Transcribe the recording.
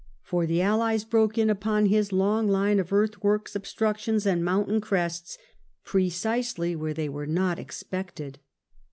For the Allies broke in upon his long line of earthworks, obstructions, and mountain crests, precisely where they were not expected.